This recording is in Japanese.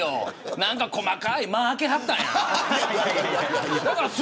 何か細かい間を空けはったんや。